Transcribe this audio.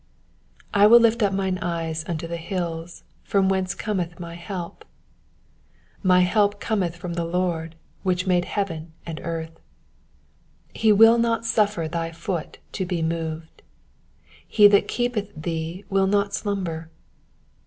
I WILL lift up mine eyes unto the hills, from whence cometh my help. 2 My help cometk from the Lord, which made heaven and earth. 3 He will not suffer thy foot to be moved : he that keepeth thee will not slumber.